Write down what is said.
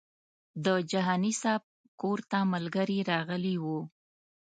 د جهاني صاحب کور ته ملګري راغلي وو.